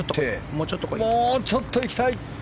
もうちょっと行きたい。